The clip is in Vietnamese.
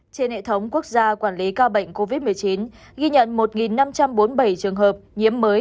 trên hệ thống quốc gia quản lý ca bệnh covid một mươi chín ghi nhận một năm trăm bốn mươi bảy trường hợp nhiễm mới